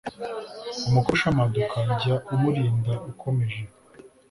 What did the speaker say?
Umukobwa ushamaduka, jya umurinda ukomeje,